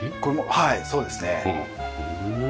はいそうですね。